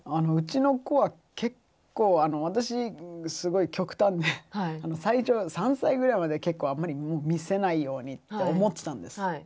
うちの子は結構私すごい極端で最初３歳ぐらいまでは結構あんまり見せないようにって思ってたんです。